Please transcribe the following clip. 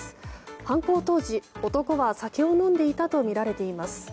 犯行当時、男は酒を飲んでいたとみられています。